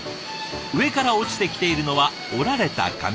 上から落ちてきているのは折られた紙。